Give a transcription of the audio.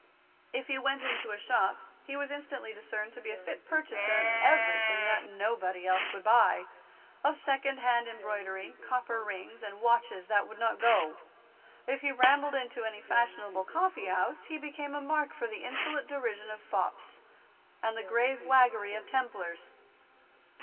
If he went into a shop, he was instantly discerned to be a fit purchaser of everything that nobody else would buy, of second hand embroidery, copper rings, and watches that would not go. If he rambled into any fashionable coffee house, he became a mark for the insolent derision of fops, and the grave waggery of Templars.